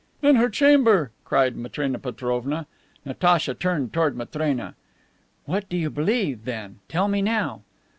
"In her chamber!" cried Matrena Petrovna. Natacha turned toward Matrena: "What do you believe, then? Tell me now."